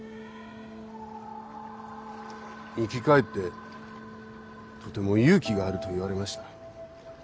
生き返ってとても勇気があると言われました。